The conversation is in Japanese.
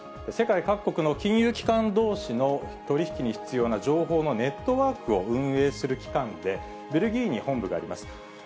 世界各国の金融機関どうしの取り引きに必要な情報のネットワークを運営する機関で、ベルギーに本部があります。